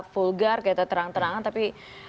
vulgar kita terang terangan tapi